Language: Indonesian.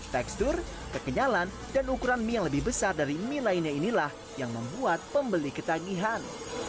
tekstur kekenyalan dan ukuran mie yang lebih besar dari mie lainnya inilah yang membuat pembeli ketagihan